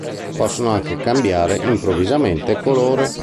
Possono anche cambiare improvvisamente colore.